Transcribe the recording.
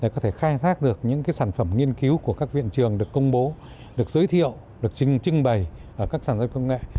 có thể khai thác được những sản phẩm nghiên cứu của các viện trường được công bố được giới thiệu được trưng bày ở các sản giao công nghệ